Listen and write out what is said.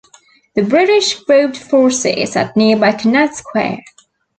The British grouped forces at nearby Kennett Square.